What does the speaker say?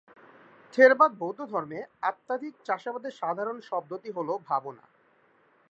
থেরবাদ বৌদ্ধধর্মে, আধ্যাত্মিক চাষাবাদের সাধারণ শব্দটি হল ভাবনা।